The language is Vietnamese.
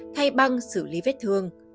thay băng xử lý vết thương